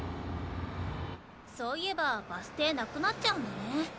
そういえばバス停なくなっちゃうんだね。